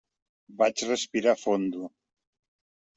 Vaig respirar fondo.